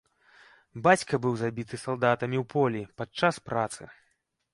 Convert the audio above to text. Бацька быў забіты салдатамі ў полі падчас працы.